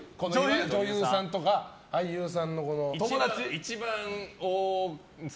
女優さんとか俳優さんの友達。